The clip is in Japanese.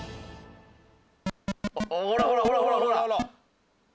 ほらほらほらほら。